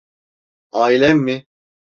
Ailem mi?